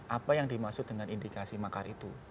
apa yang dimaksud dengan indikasi makar itu